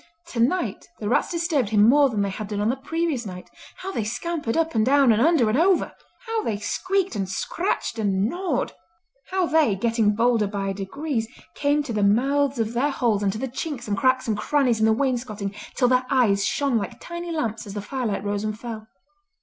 Tonight the rats disturbed him more than they had done on the previous night. How they scampered up and down and under and over! How they squeaked, and scratched, and gnawed! How they, getting bolder by degrees, came to the mouths of their holes and to the chinks and cracks and crannies in the wainscoting till their eyes shone like tiny lamps as the firelight rose and fell.